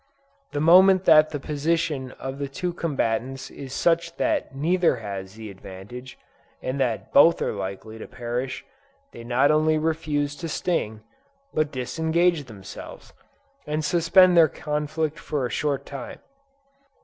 The moment that the position of the two combatants is such that neither has the advantage, and that both are liable to perish, they not only refuse to sting, but disengage themselves, and suspend their conflict for a short time!